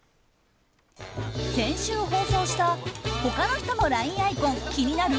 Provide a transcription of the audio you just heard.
先週放送した他の人のＬＩＮＥアイコン気になる？